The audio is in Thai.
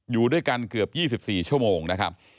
อยู่ด้วยกันเกือบ๒๔ชั่วโมงนะครับ